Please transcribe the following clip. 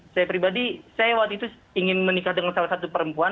saya pribadi saya waktu itu ingin menikah dengan salah satu perempuan